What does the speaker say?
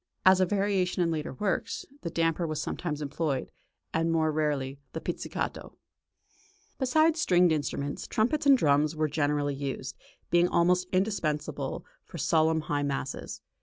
As a variation in later works, the damper was sometimes employed, and more rarely, the pizzicato. Besides stringed instruments, trumpets and drums were generally used, being almost indispensable for solemn high mass.